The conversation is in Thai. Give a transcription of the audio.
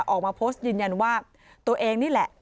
ออกมาโพสต์ยืนยันว่าตัวเองนี่แหละ